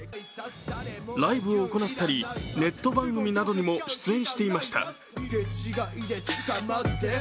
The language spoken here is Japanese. ライブを行ったりネット番組などにも出演していました。